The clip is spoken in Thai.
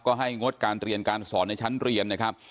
ก็ให้งดการเรียนการสอนในชั้นเรียนนะครับ